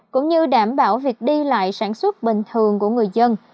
cũng như đảm bảo việc đi lại sản xuất bình thường của người dân